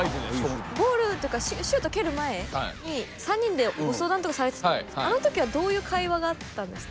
ゴールっていうかシュート蹴る前に３人でご相談とかされてたんですけどあの時はどういう会話があったんですか？